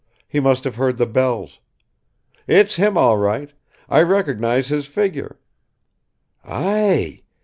He must have heard the bells; it's him all right, I recognize his figure; ay!